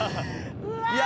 うわ！